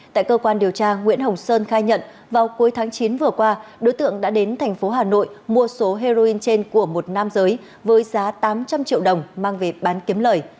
tại cơ quan điều tra nguyễn hồng sơn khai nhận vào cuối tháng chín vừa qua đối tượng đã đến thành phố hà nội mua số heroin trên của một nam giới với giá tám trăm linh triệu đồng mang về bán kiếm lời